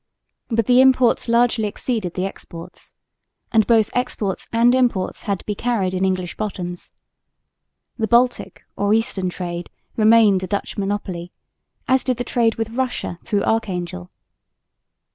But the imports largely exceeded the exports; and both exports and imports had to be carried in English bottoms. The Baltic (or Eastern) trade remained a Dutch monopoly, as did the trade with Russia through Archangel.